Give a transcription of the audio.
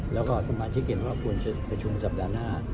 แล้วก็จะมาเช็คเกียรติว่าคุณจะประชุมสัปดาห์หน้า